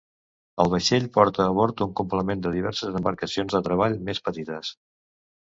El vaixell porta a bord un complement de diverses embarcacions de treball més petites.